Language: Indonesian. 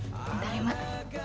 bentar ya mak